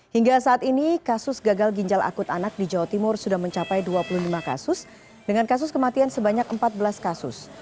hingga saat ini kasus gagal ginjal akut anak di jawa timur sudah mencapai dua puluh lima kasus dengan kasus kematian sebanyak empat belas kasus